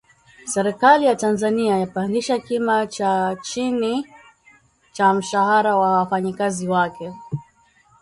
Serikali ya Tanzania yapandisha kima cha chini cha mshahara wa wafanyakazi wake